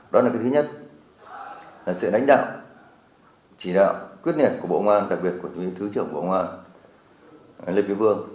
đó là cái thứ nhất là sự đánh đạo chỉ đạo quyết liệt của bộ ngoan đặc biệt của thứ trưởng của ngoan lê quý vương